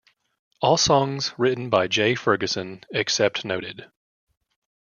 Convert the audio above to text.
All songs written by Jay Ferguson except noted.